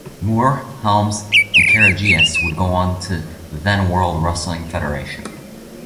Moore, Helms, and Karagias would go on to the then World Wrestling Federation.